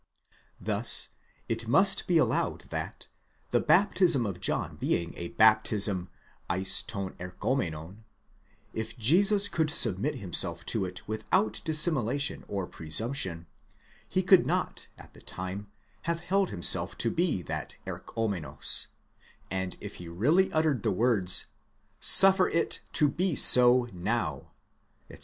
Thus it must be allowed that, the baptism of John being a baptism εἰς τὸν ἐρχόμενον, if Jesus could submit himself to it without dis simulation or presumption, he could not at the time have held himself to be that ἐρχόμενος, and if he really uttered the words οὕτω πρέπον ἐστὶ, x. τ. X., Suffer it to be so now, etc.